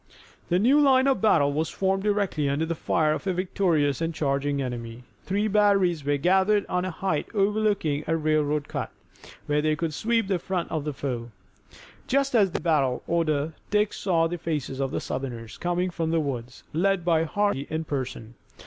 The new line of battle was formed directly under the fire of a victorious and charging enemy. Three batteries were gathered on a height overlooking a railroad cut, where they could sweep the front of the foe. Just as they were in battle order Dick saw the faces of the Southerners coming through the woods, led by Hardee in person.